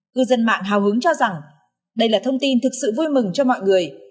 cư dân mạng hào hứng cho rằng đây là thông tin thực sự vui mừng cho mọi người